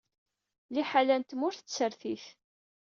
Liḥala n tmurt d tsertit.